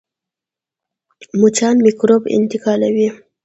مچان میکروب انتقالوي